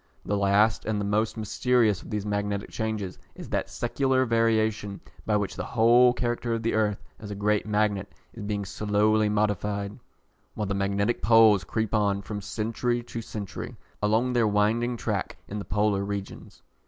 The last and the most mysterious of these magnetic changes is that secular variation by which the whole character of the earth, as a great magnet, is being slowly modified, while the magnetic poles creep on, from century to century, along their winding track in the polar regions.